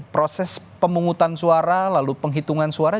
proses pemungutan suara lalu penghitungan suara